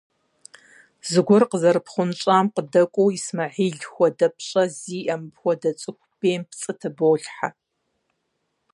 Зыгуэр къызэрыпхъунщӀам къыдэкӀуэу, Исмэхьил хуэдэу пщӀэ зиӀэ мыпхуэдэ цӀыху бейм пцӀы тыболъхьэ!